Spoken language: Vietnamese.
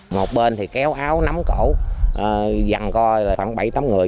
một bên thì kéo áo nắm cổ dằn coi khoảng bảy tám người